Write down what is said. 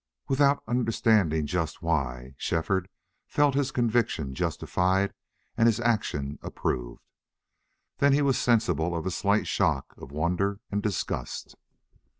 Without understanding just why, Shefford felt his conviction justified and his action approved. Then he was sensible of a slight shock of wonder and disgust.